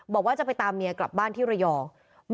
บอกว่าจะไปตามเมียกลับบ้านที่ระยอง